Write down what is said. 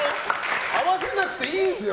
合わせなくていいですよ。